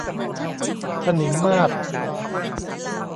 ถนิมมาศ